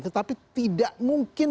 tetapi tidak mungkin